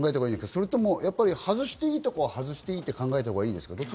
それとも外していいところは外してもいいと考えていいんですか？